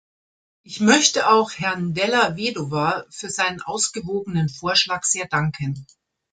Ich möchte auch Herrn della Vedova für seinen ausgewogenen Vorschlag sehr danken.